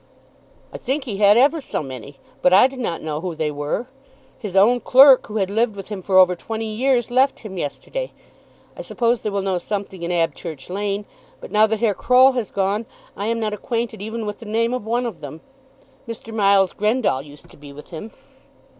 "I think he had ever so many, but I do not know who they were. His own clerk, who had lived with him for over twenty years, left him yesterday. I suppose they will know something in Abchurch Lane; but now that Herr Croll has gone I am not acquainted even with the name of one of them. Mr. Miles Grendall used to be with him."